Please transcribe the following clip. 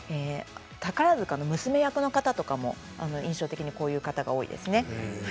宝塚の娘役の方とかも印象的にこういう方が多いですね。